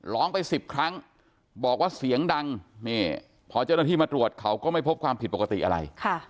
ร้องไป๑๐ครั้งบอกว่าเสียงดังนี่พอเจ้าหน้าที่มาตรวจเขาก็ไม่พบความผิดปกติอะไร